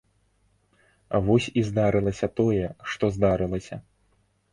Вось і здарылася тое, што здарылася.